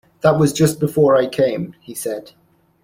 "That was just before I came," he said.